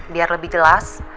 biar lebih jelas